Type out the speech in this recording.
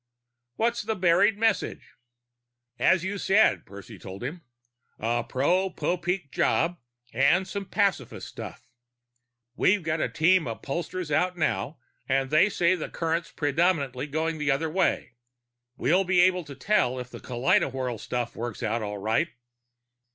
"What's the buried message?" "As you said," Percy told him. "A pro Popeek job and some pacifist stuff. We've got a team of pollsters out now, and they say the current's predominantly going the other way. We'll be able to tell if the kaleidowhirl stuff works out, all right."